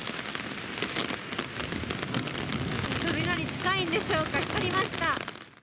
雷近いんでしょうか、光りました。